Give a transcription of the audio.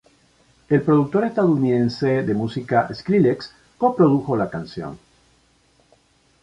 El productor estadounidense de música Skrillex co-produjo la canción.